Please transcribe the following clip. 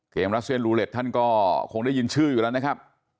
รัสเซียนรูเล็ตท่านก็คงได้ยินชื่ออยู่แล้วนะครับ